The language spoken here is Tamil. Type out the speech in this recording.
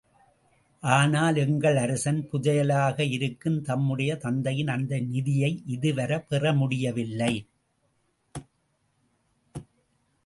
ஆனால் எங்கள் அரசன் புதையலாக இருக்கும் தம்முடைய தந்தையின் அந்த நிதியை இதுவரை பெற முடியவில்லை.